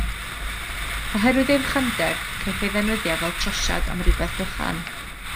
Oherwydd ei fychander, caiff ei ddefnyddio fel trosiad am rywbeth bychan.